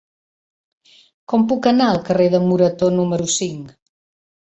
Com puc anar al carrer de Morató número cinc?